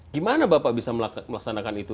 gimana bapak bisa melaksanakan itu